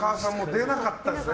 出なかったですかね。